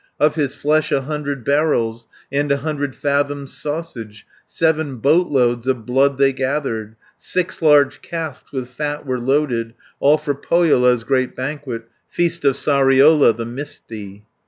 Of his flesh a hundred barrels, And a hundred fathoms sausage; Seven boat loads of blood they gathered, Six large casks with fat were loaded, All for Pohjola's great banquet, Feast of Sariola the misty.